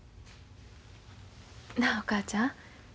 なあお母ちゃん。